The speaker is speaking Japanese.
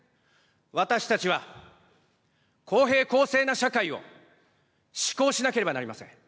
私たちは、公平公正な社会を施行しなければなりません。